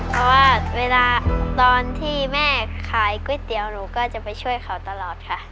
เพราะว่าเวลาตอนที่แม่ขายก๋วยเตี๋ยวหนูก็จะไปช่วยเขาตลอดค่ะ